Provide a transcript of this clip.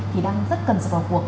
thì đang rất cần sự bảo cuộc